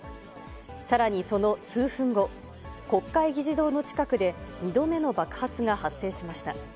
さらにその数分後、国会議事堂の近くで２度目の爆発が発生しました。